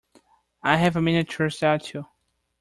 I have a miniature statue.